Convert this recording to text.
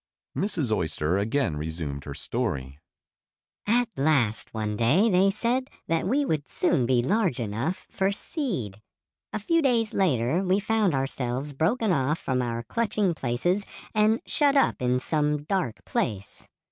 Mrs. Oyster again resumed her story. "At last one day they said that we would soon be large enough for 'seed.' A few days later we found ourselves broken off from our clutching places and shut up in some dark place.